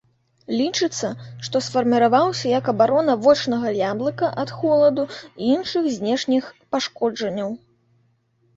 Лічыцца, што сфарміраваўся як абарона вочнага яблыка ад холаду і іншых знешніх пашкоджанняў.